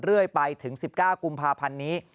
เรื่อยไปถึง๑๙กุมภาพันธ์นี้